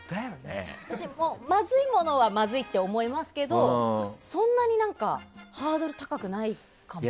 私、まずいものはまずいって思いますけどそんなにハードルが高くないかも。